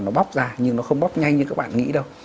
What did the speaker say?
nó bóc ra nhưng nó không bóc nhanh như các bạn nghĩ đâu